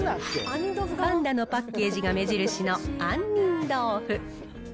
パンダのパッケージが目印の杏仁豆腐。